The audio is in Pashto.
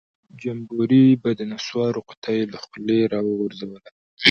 جمبوري به د نسوارو قطۍ له خولۍ راوغورځوله.